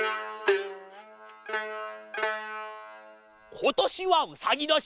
ことしはうさぎどし！